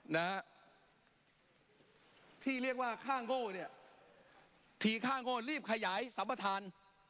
นะฮะที่เรียกว่าค่าโง่เนี่ยทีค่าโง่รีบขยายสัมปทาน